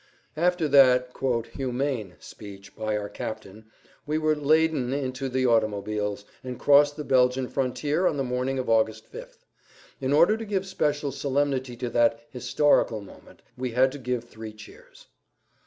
After that "humane" speech by our captain we were "laden" into the automobiles, and crossed the Belgian frontier on the morning of August 5th. In order to give special solemnity to that "historical" moment we had to give three cheers.